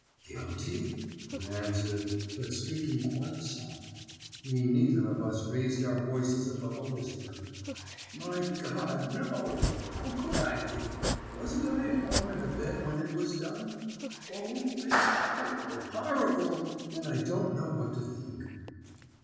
"'Guilty?' he answered, but speaking quite soft; we neither of us raised our voices above a whisper 'My God, no! How could I be? Wasn't I at home and abed when it was done? O, it's horrible! horrible! and I don't know what to think.'